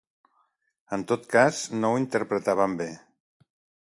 En tot cas no ho interpretàvem bé.